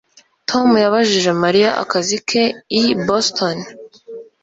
Tom yabajije Mariya akazi ke i Boston